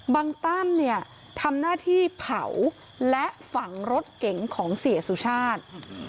ตั้มเนี่ยทำหน้าที่เผาและฝังรถเก๋งของเสียสุชาติ